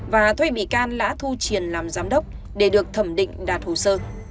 và thuê bị can lã thu triển làm giám đốc để được thẩm định đạt hồ sơ